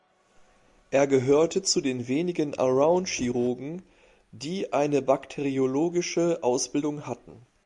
Er gehörte zu den wenigen „Allround-Chirurgen“, die eine bakteriologische Ausbildung hatten.